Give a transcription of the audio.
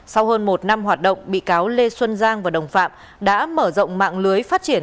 sau hơn một năm hoạt động bị cáo lê xuân giang và đồng phạm đã mở rộng mạng lưới phát triển